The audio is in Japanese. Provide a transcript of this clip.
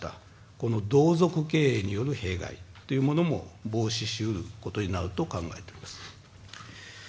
この同族経営による弊害というものも防止しうることになると考えています。